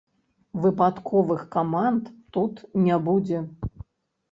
Выпадковых каманд тут не будзе.